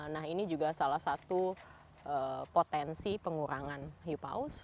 nah ini juga salah satu potensi pengurangan hiu paus